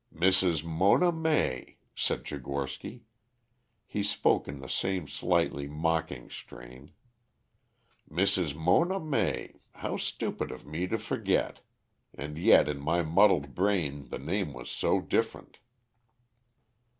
"Mrs. Mona May," said Tchigorsky. He spoke in the same slightly mocking strain. "Mrs. Mona May. How stupid of me to forget. And yet in my muddled brain the name was so different."